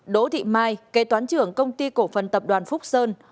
đỗ thị mai kế toán trưởng công ty cổ phần tập đoàn phúc sơn